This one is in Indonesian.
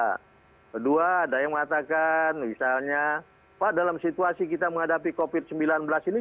kedua ada yang mengatakan misalnya pak dalam situasi kita menghadapi covid sembilan belas ini